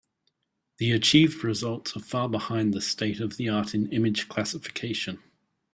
The achieved results are far behind the state-of-the-art in image classification.